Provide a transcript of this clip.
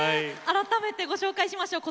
改めてご紹介しましょう。